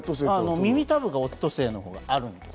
耳たぶがオットセイのほうがあるんです。